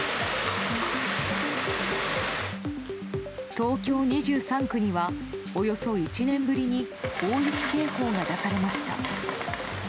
東京２３区にはおよそ１年ぶりに大雪警報が出されました。